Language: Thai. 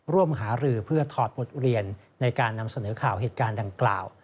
ร่วมหารือเพื่อถอดบทเรียนในการนำเสนอข่าวเหตุการณ์ดังกล่าว